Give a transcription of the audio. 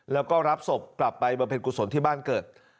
แล้วก็รับศพกลับไปบำเพ็ญกุศลที่บ้านเกิด